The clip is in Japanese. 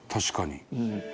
確かに。